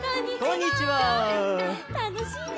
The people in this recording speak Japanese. たのしいね。